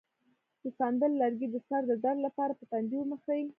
د سندل لرګی د سر د درد لپاره په تندي ومښئ